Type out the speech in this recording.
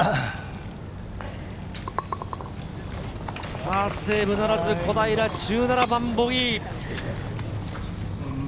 パーセーブならず、小平１７番、ボギー。